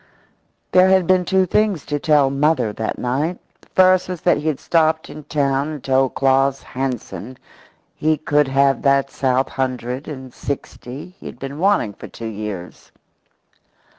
There had been two things to tell "mother" that night. The first was that he had stopped in town and told Claus Hansen he could have that south hundred and sixty he had been wanting for two years.